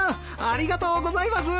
ありがとうございます。